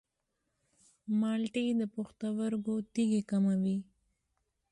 مالټې د پښتورګو تیږې کموي.